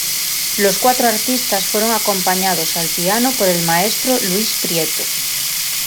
Los cuatro artistas fueron acompañados al piano por el maestro Luis Prieto".